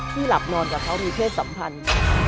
หลับนอนกับเขามีเพศสัมพันธ์